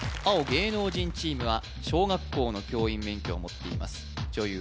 芸能人チームは小学校の教員免許を持っています女優